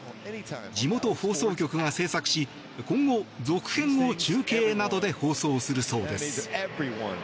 地元放送局が制作し今後、続編を中継などで放送するそうです。